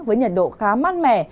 với nhiệt độ khá mát mẻ